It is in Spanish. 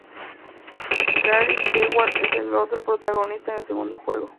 Gary Stewart: Es el otro protagonista en el segundo juego.